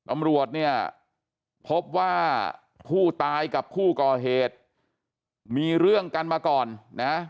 ตำรวจเนี่ยพบว่าผู้ตายกับผู้ก่อเหตุมีเรื่องกันมาก่อนนะ